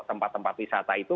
tempat tempat wisata itu